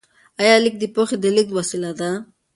آیا لیک د پوهې د لیږد وسیله ده؟